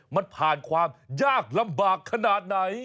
มันผ่านความยากลำบากขนาดไหน